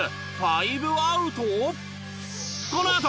このあと。